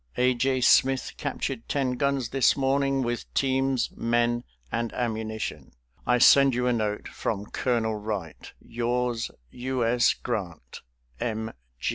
A. J. Smith captured ten guns this morning, with teams, men, and ammunition. I send you a note from Colonel Wright. "Yours, "U. S. GRANT, M.